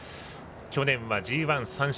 去年はＧＩ、３勝。